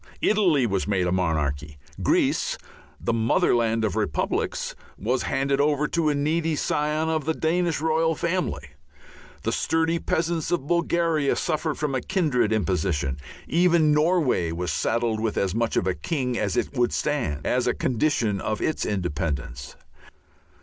Italy was made a monarchy; Greece, the motherland of republics, was handed over to a needy scion of the Danish royal family; the sturdy peasants of Bulgaria suffered from a kindred imposition. Even Norway was saddled with as much of a king as it would stand, as a condition of its independence.